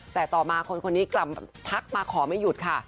แต่ต่อมาคนคนนี้กลับทักมาขอไม่หยุดค่ะ